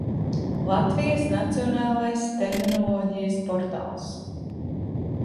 Latvijas Nacionālais terminoloģijas portāls